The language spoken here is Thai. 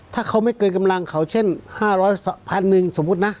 ถ้าเขาไม่เกินกำลังเขาเช่นห้าร้อยพันหนึ่งสมมุติน่ะ